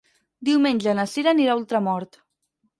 Diumenge na Cira anirà a Ultramort.